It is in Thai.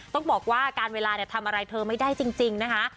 ต้องบอกว่าการเวลาทำอะไรเธอไม่ได้จริงนะคะ